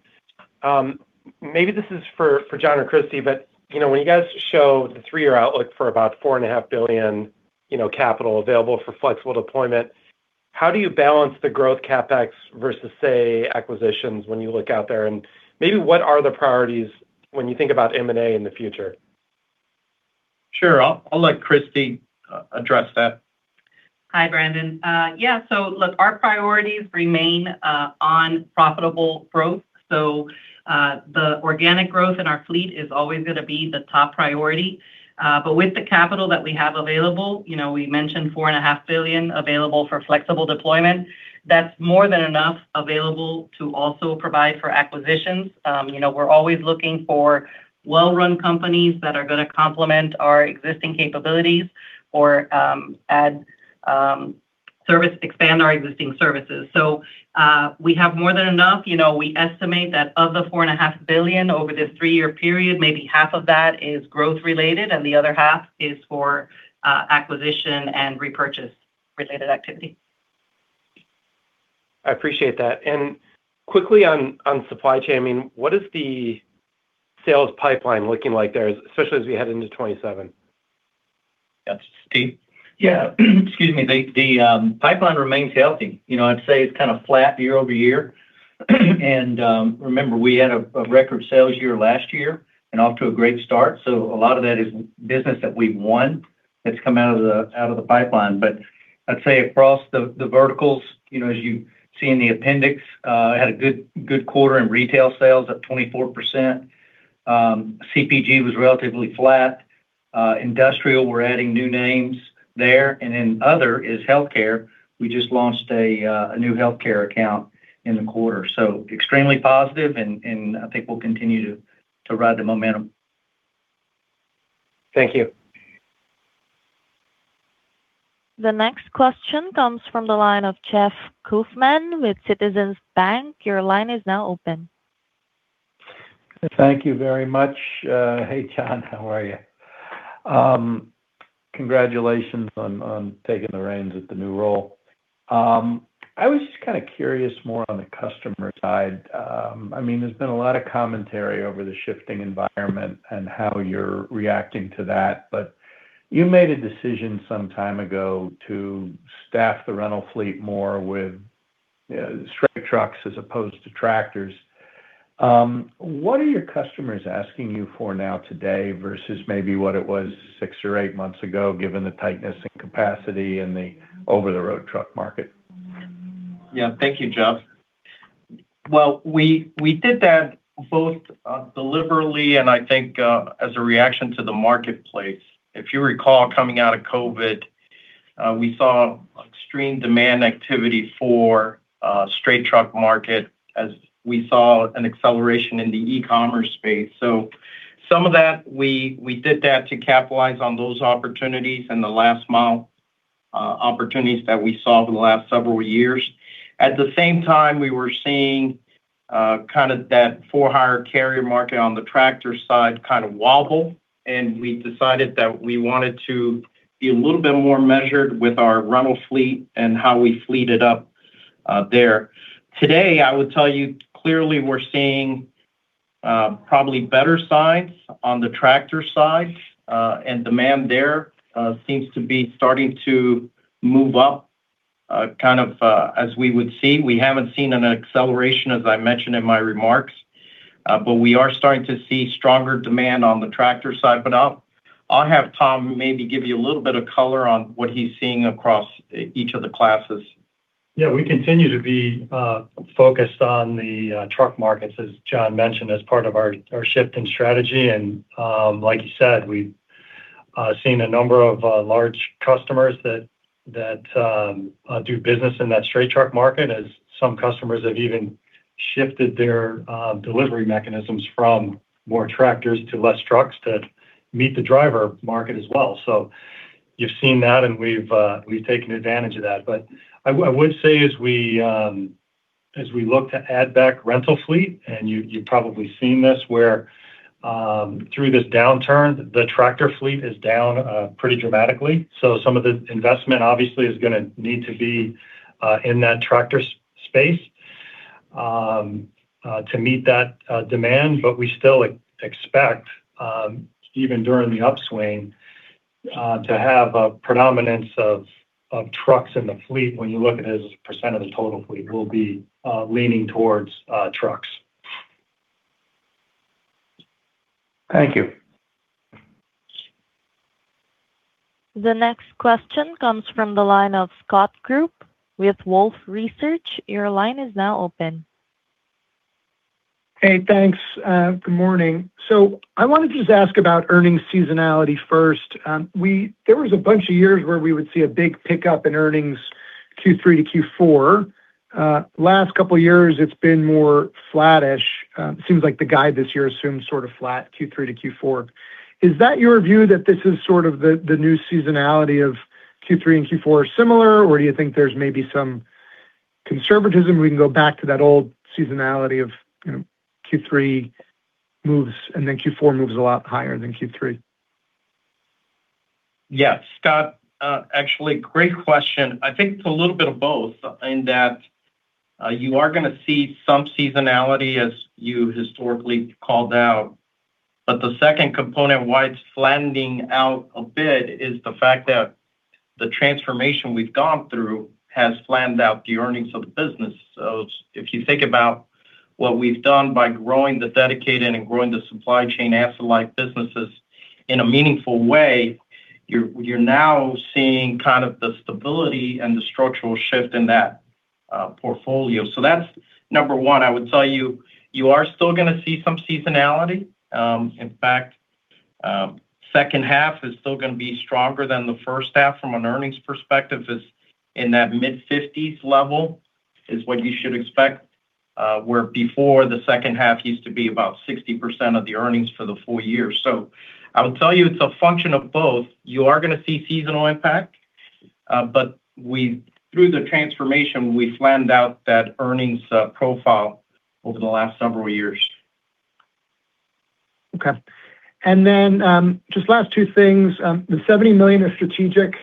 Maybe this is for John or Cristy, when you guys show the three-year outlook for about $4.5 billion capital available for flexible deployment, how do you balance the growth CapEx versus, say, acquisitions when you look out there? Maybe what are the priorities when you think about M&A in the future? Sure. I'll let Cristy address that. Hi, Brandon. Yeah. Look, our priorities remain on profitable growth. The organic growth in our fleet is always going to be the top priority. With the capital that we have available, we mentioned $4.5 billion available for flexible deployment. That's more than enough available to also provide for acquisitions. We're always looking for well-run companies that are going to complement our existing capabilities or expand our existing services. We have more than enough. We estimate that of the $4.5 billion over this three-year period, maybe half of that is growth-related and the other half is for acquisition and repurchase-related activity. I appreciate that. Quickly on Supply Chain Solutions, what is the sales pipeline looking like there, especially as we head into 2027? That's Steve. Yeah. Excuse me. The pipeline remains healthy. I'd say it's kind of flat year-over-year. Remember we had a record sales year last year and off to a great start, so a lot of that is business that we've won that's come out of the pipeline. I'd say across the verticals, as you see in the appendix, had a good quarter in retail sales, up 24%. CPG was relatively flat. Industrial, we're adding new names there. Other is healthcare. We just launched a new healthcare account in the quarter. Extremely positive and I think we'll continue to ride the momentum. Thank you. The next question comes from the line of Jeff Kauffman with Citizens Bank. Your line is now open. Thank you very much. Hey, John. How are you? Congratulations on taking the reins at the new role. I was just kind of curious more on the customer side. There's been a lot of commentary over the shifting environment and how you're reacting to that. You made a decision some time ago to staff the rental fleet more with straight trucks as opposed to tractors. What are your customers asking you for now today versus maybe what it was six or eight months ago, given the tightness in capacity in the over-the-road truck market? Thank you, Jeff. We did that both deliberately and I think as a reaction to the marketplace. If you recall, coming out of COVID, we saw extreme demand activity for straight truck market as we saw an acceleration in the e-commerce space. Some of that, we did that to capitalize on those opportunities and the last mile opportunities that we saw over the last several years. At the same time, we were seeing that for-hire carrier market on the tractor side kind of wobble, and we decided that we wanted to be a little bit more measured with our rental fleet and how we fleet it up there. Today, I would tell you, clearly we're seeing probably better signs on the tractor side. Demand there seems to be starting to move up, kind of as we would see. We haven't seen an acceleration, as I mentioned in my remarks, we are starting to see stronger demand on the tractor side. I'll have Tom maybe give you a little bit of color on what he's seeing across each of the classes. We continue to be focused on the truck markets, as John mentioned, as part of our shift in strategy. Like he said, we've seen a number of large customers that do business in that straight truck market, as some customers have even shifted their delivery mechanisms from more tractors to less trucks to meet the driver market as well. You've seen that, and we've taken advantage of that. I would say as we look to add back rental fleet, and you've probably seen this, where through this downturn, the tractor fleet is down pretty dramatically. Some of the investment obviously is going to need to be in that tractor space to meet that demand. We still expect, even during the upswing, to have a predominance of trucks in the fleet. When you look at it as a percent of the total fleet, we'll be leaning towards trucks. Thank you. The next question comes from the line of Scott Group with Wolfe Research. Your line is now open. Hey, thanks. Good morning. I want to just ask about earnings seasonality first. There was a bunch of years where we would see a big pickup in earnings, Q3 to Q4. Last couple of years, it's been more flattish. Seems like the guide this year assumes sort of flat Q3 to Q4. Is that your view, that this is sort of the new seasonality of Q3 and Q4 are similar? Or do you think there's maybe some conservatism, we can go back to that old seasonality of Q3 moves and then Q4 moves a lot higher than Q3? Yeah. Scott, actually, great question. I think it's a little bit of both in that you are going to see some seasonality as you historically called out, but the second component, why it's flattening out a bit, is the fact that the transformation we've gone through has flattened out the earnings of the business. If you think about what we've done by growing the Dedicated and growing the Supply Chain asset-light businesses in a meaningful way, you're now seeing kind of the stability and the structural shift in that portfolio. That's number one. I would tell you are still going to see some seasonality. In fact, H2 is still going to be stronger than the H1 from an earnings perspective. In that mid-50s level is what you should expect, where before the H2 used to be about 60% of the earnings for the full year. I would tell you, it's a function of both. You are going to see seasonal impact, but through the transformation, we flattened out that earnings profile over the last several years. Okay. Just last two things. The $70 million of strategic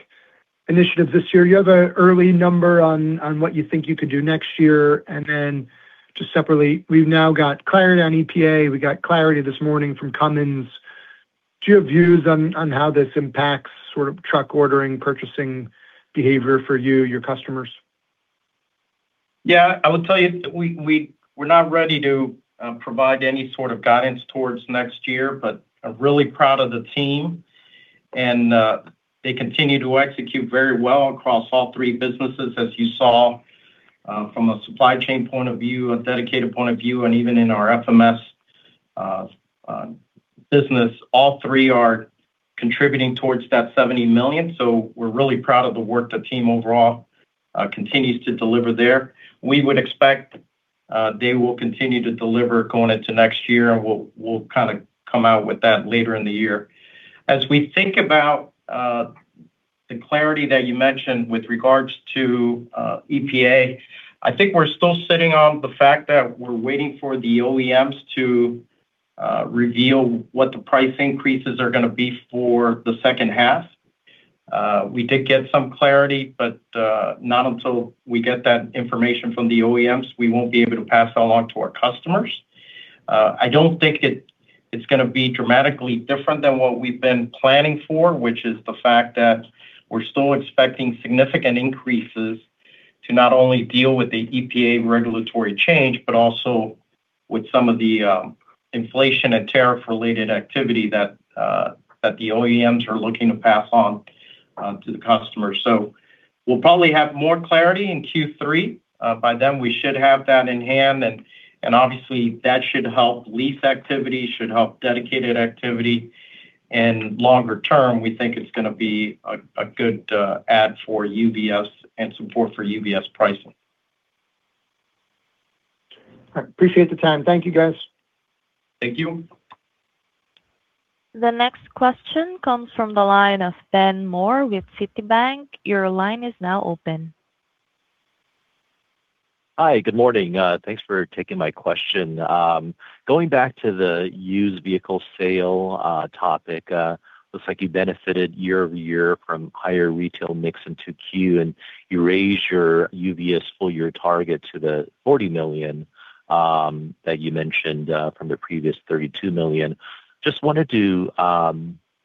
initiative this year. You have an early number on what you think you could do next year? Just separately, we've now got clarity on EPA. We got clarity this morning from Cummins. Do you have views on how this impacts sort of truck ordering, purchasing behavior for you, your customers? Yeah, I would tell you we're not ready to provide any sort of guidance towards next year. I'm really proud of the team, and they continue to execute very well across all three businesses, as you saw from a supply chain point of view, a dedicated point of view, and even in our FMS business. All three are contributing towards that $70 million. We're really proud of the work the team overall continues to deliver there. We would expect they will continue to deliver going into next year, and we'll kind of come out with that later in the year. As we think about the clarity that you mentioned with regards to EPA, I think we're still sitting on the fact that we're waiting for the OEMs to reveal what the price increases are going to be for the H2. We did get some clarity, not until we get that information from the OEMs, we won't be able to pass that along to our customers. I don't think it's going to be dramatically different than what we've been planning for, which is the fact that we're still expecting significant increases to not only deal with the EPA regulatory change, but also with some of the inflation and tariff-related activity that the OEMs are looking to pass on to the customer. We'll probably have more clarity in Q3. By then, we should have that in hand, and obviously, that should help lease activity, should help dedicated activity. Longer term, we think it's going to be a good add for UVS and support for UVS pricing. All right. Appreciate the time. Thank you, guys. Thank you. The next question comes from the line of Ben Mohr with Citibank. Your line is now open. Hi, good morning. Thanks for taking my question. Going back to the used vehicle sale topic, looks like you benefited year-over-year from higher retail mix in 2Q, and you raised your UVS full-year target to the $40 million, that you mentioned from the previous $32 million. Just wanted to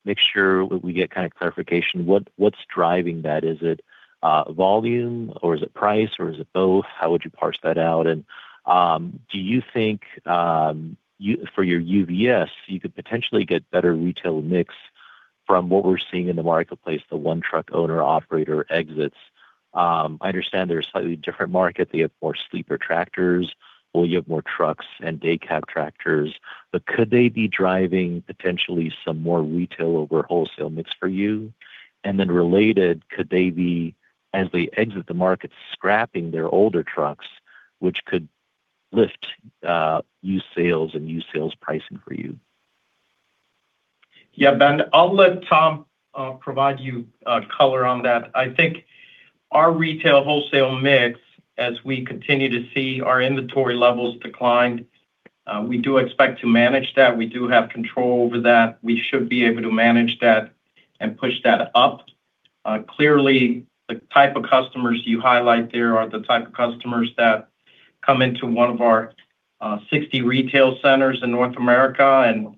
make sure we get kind of clarification. What's driving that? Is it volume, or is it price, or is it both? How would you parse that out? Do you think, for your UVS, you could potentially get better retail mix from what we're seeing in the marketplace, the one truck owner-operator exits. I understand they're a slightly different market. They have more sleeper tractors, while you have more trucks and day cab tractors. Could they be driving potentially some more retail over wholesale mix for you? Related, could they be, as they exit the market, scrapping their older trucks, which could lift used sales and used sales pricing for you? Yeah, Ben, I'll let Tom provide you color on that. I think our retail wholesale mix, as we continue to see our inventory levels decline, we do expect to manage that. We do have control over that. We should be able to manage that and push that up. Clearly, the type of customers you highlight there are the type of customers that come into one of our 60 retail centers in North America and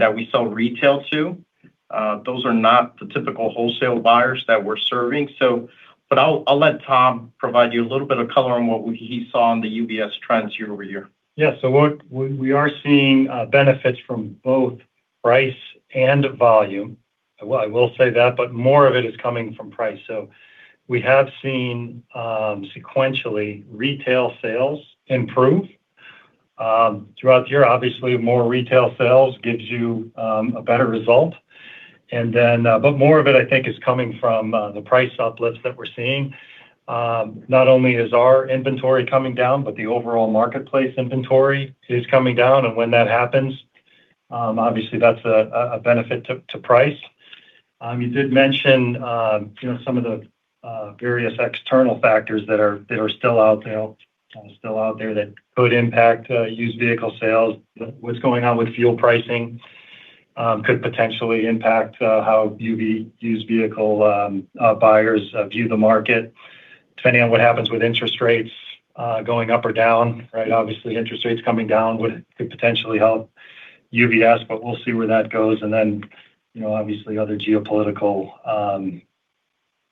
that we sell retail to. Those are not the typical wholesale buyers that we're serving. I'll let Tom provide you a little bit of color on what he saw on the UVS trends year-over-year. Yeah. We are seeing benefits from both price and volume. I will say that, but more of it is coming from price. We have seen sequentially retail sales improve throughout the year. Obviously, more retail sales gives you a better result. More of it, I think, is coming from the price uplifts that we're seeing. Not only is our inventory coming down, but the overall marketplace inventory is coming down. When that happens, obviously that's a benefit to price. You did mention some of the various external factors that are still out there that could impact used vehicle sales. What's going on with fuel pricing could potentially impact how used vehicle buyers view the market, depending on what happens with interest rates going up or down, right? Obviously, interest rates coming down could potentially help UVS, but we'll see where that goes. Obviously other geopolitical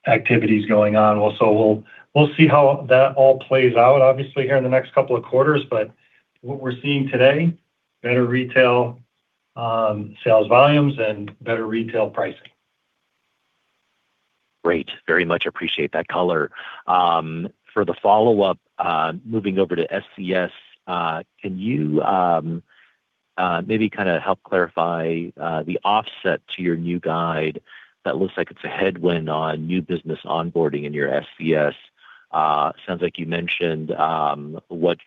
activities going on also. We'll see how that all plays out, obviously, here in the next couple of quarters. What we're seeing today, better retail sales volumes and better retail pricing. Great. Very much appreciate that color. For the follow-up, moving over to SCS, can you maybe kind of help clarify the offset to your new guide that looks like it's a headwind on new business onboarding in your SCS? Sounds like you mentioned what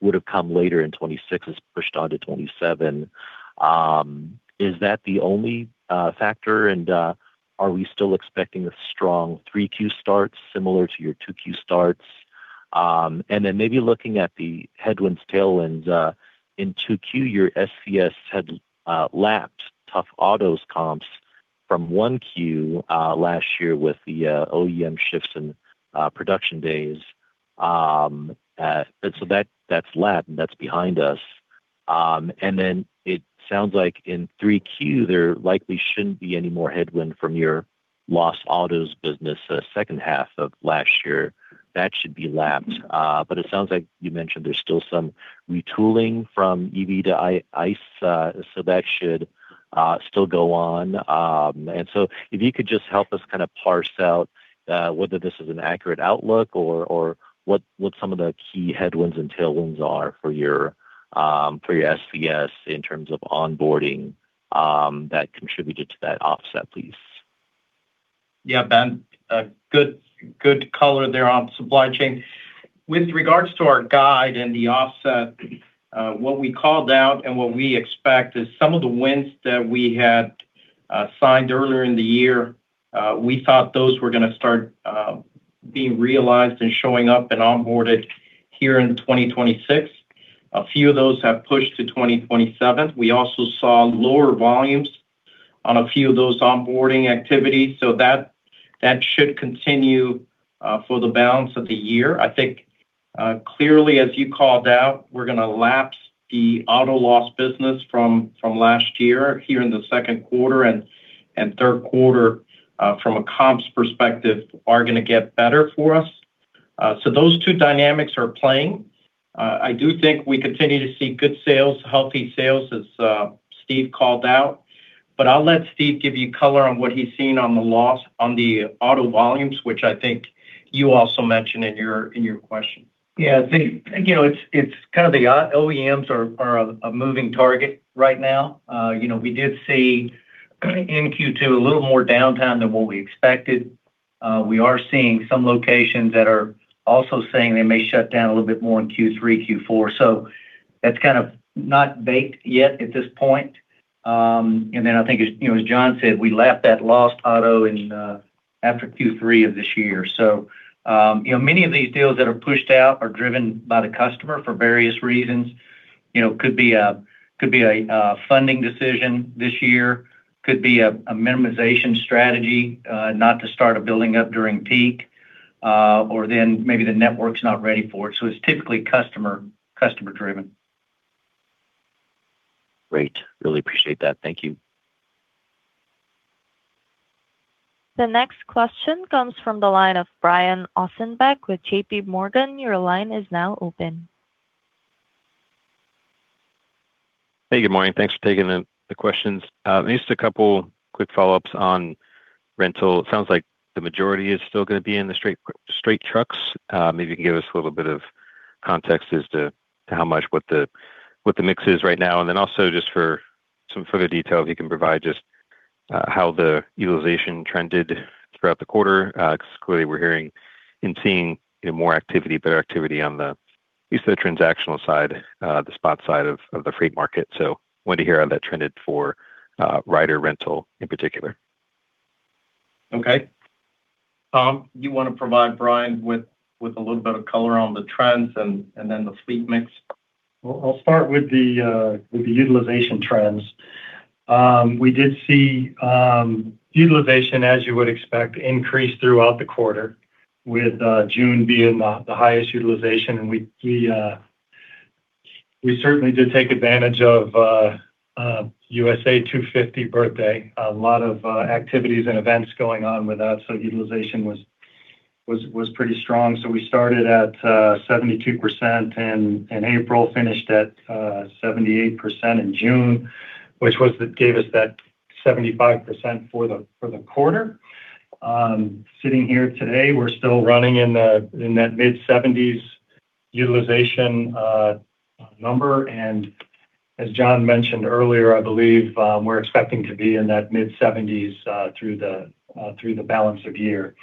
would've come later in 2026 is pushed on to 2027. Is that the only factor, are we still expecting a strong 3Q start similar to your 2Q starts? Maybe looking at the headwinds, tailwinds. In 2Q, your SCS had lapsed tough autos comps from 1Q last year with the OEM shifts in production days. That's lapped, that's behind us. It sounds like in 3Q, there likely shouldn't be any more headwind from your lost autos business the H2 of last year. That should be lapped. It sounds like you mentioned there's still some retooling from EV to ICE, that should still go on. If you could just help us parse out whether this is an accurate outlook or what some of the key headwinds and tailwinds are for your SCS in terms of onboarding that contributed to that offset, please. Yeah, Ben. Good color there on supply chain. With regards to our guide and the offset, what we called out and what we expect is some of the wins that we had signed earlier in the year, we thought those were going to start being realized and showing up and onboarded here in 2026. A few of those have pushed to 2027. We also saw lower volumes on a few of those onboarding activities, that should continue for the balance of the year. I think, clearly, as you called out, we're going to lapse the auto loss business from last year here in the second quarter and third quarter, from a comps perspective, are going to get better for us. Those two dynamics are playing. I do think we continue to see good sales, healthy sales, as Steve called out. I'll let Steve give you color on what he's seen on the loss on the auto volumes, which I think you also mentioned in your question. Yeah. Steve, it's the OEMs are a moving target right now. We did see in Q2 a little more downtime than what we expected. We are seeing some locations that are also saying they may shut down a little bit more in Q3, Q4. That's not baked yet at this point. I think, as John said, we lapped that last auto after Q3 of this year. Many of these deals that are pushed out are driven by the customer for various reasons. Could be a funding decision this year. Could be a minimization strategy, not to start a building up during peak. Maybe the network's not ready for it. It's typically customer-driven. Great. Really appreciate that. Thank you. The next question comes from the line of Brian Ossenbeck with JPMorgan. Your line is now open. Hey, good morning. Thanks for taking the questions. Just a couple quick follow-ups on rental. It sounds like the majority is still going to be in the straight trucks. Maybe you can give us a little bit of context as to how much, what the mix is right now. Also just for some further detail, if you can provide just how the utilization trended throughout the quarter. Because clearly we're hearing and seeing more activity, better activity on the use of the transactional side, the spot side of the freight market. Wanted to hear how that trended for Ryder rental in particular. Okay. Tom, you want to provide Brian with a little bit of color on the trends and then the fleet mix? I'll start with the utilization trends. We did see utilization, as you would expect, increase throughout the quarter, with June being the highest utilization. We certainly did take advantage of USA 250 birthday. A lot of activities and events going on with that. Utilization was pretty strong. We started at 72% in April, finished at 78% in June, which gave us that 75% for the quarter. Sitting here today, we're still running in that mid-70s utilization number. As John mentioned earlier, I believe, we're expecting to be in that mid-70s through the balance of year.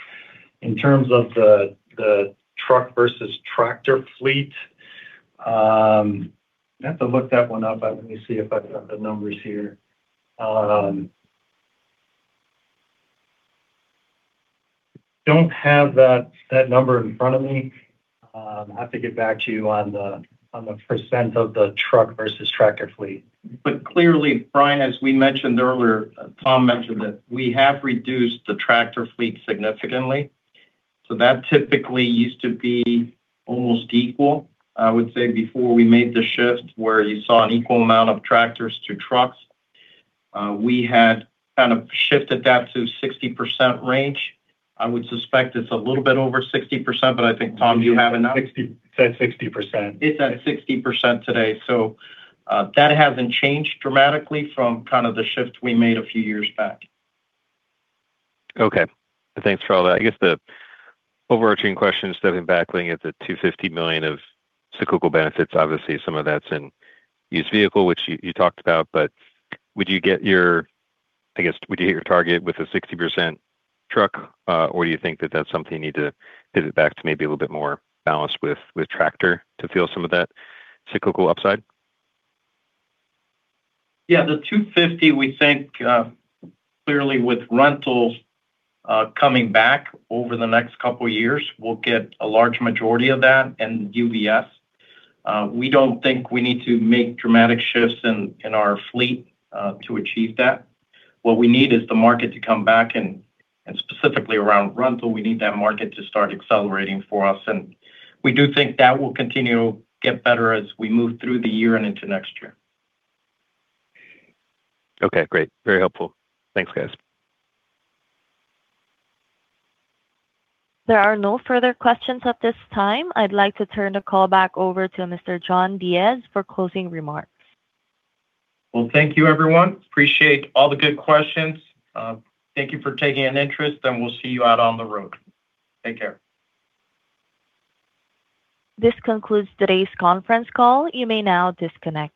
In terms of the truck versus tractor fleet, I'd have to look that one up. Let me see if I've got the numbers here. Don't have that number in front of me. I have to get back to you on the percent of the truck versus tractor fleet. Clearly, Brian, as we mentioned earlier, Tom mentioned it, we have reduced the tractor fleet significantly. That typically used to be almost equal, I would say, before we made the shift where you saw an equal amount of tractors to trucks. We had kind of shifted that to 60% range. I would suspect it's a little bit over 60%, but I think, Tom, do you have a number? 60%. It's at 60% today. That hasn't changed dramatically from the shift we made a few years back. Okay. Thanks for all that. I guess the overarching question, stepping back, looking at the $250 million of cyclical benefits, obviously, some of that's in used vehicle, which you talked about. Would you hit your target with a 60% truck? Do you think that that's something you need to pivot back to maybe a little bit more balance with tractor to feel some of that cyclical upside? Yeah, the $250, we think, clearly with rentals coming back over the next couple of years, we'll get a large majority of that in UVS. We don't think we need to make dramatic shifts in our fleet to achieve that. What we need is the market to come back and specifically around rental, we need that market to start accelerating for us. We do think that will continue to get better as we move through the year and into next year. Okay, great. Very helpful. Thanks, guys. There are no further questions at this time. I'd like to turn the call back over to Mr. John Diez for closing remarks. Well, thank you everyone. Appreciate all the good questions. Thank you for taking an interest, and we'll see you out on the road. Take care. This concludes today's conference call. You may now disconnect.